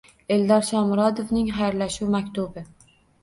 Eldor Shomurodovning xayrlashuv maktubi